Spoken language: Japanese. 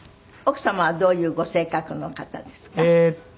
奥様はどういうご性格の方ですか？